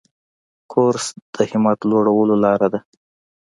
کورس د همت لوړولو لاره ده.